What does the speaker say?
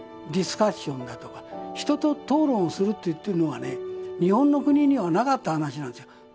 ディスカッションだとか人と討論をするっていうのはね日本の国にはなかった話なんですよ。